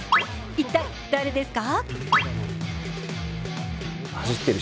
一体誰ですか？